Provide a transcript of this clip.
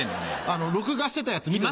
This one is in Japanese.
録画してたやつ見てた。